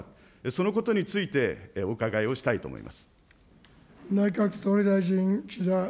そのことについてお伺いをしたいと思います。